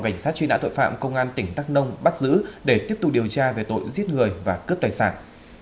cảnh sát truy nã tội phạm công an tỉnh đắk nông bắt giữ để tiếp tục điều tra về tội giết người và cướp tài sản